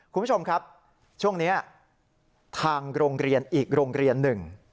คุณผู้ชมครับช่วงนี้ทางโรงเรียนอีกโรงเรียนหนึ่ง